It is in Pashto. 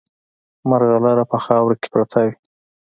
مرغلره په خاورو کې پرته وي.